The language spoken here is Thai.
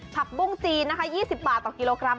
ผักบุ้งจีนนะคะ๒๐บาทต่อกิโลกรัม